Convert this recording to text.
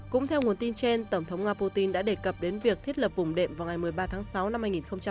cũng theo nguồn tin trên tổng thống nga putin đã đề cập đến việc thiết lập vùng đệm vào ngày một mươi ba tháng sáu năm hai nghìn hai mươi